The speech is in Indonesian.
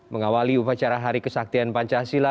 mengawali upacara hari kesaktian pancasila